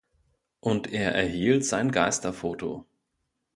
Und er erhielt sein Geisterfoto.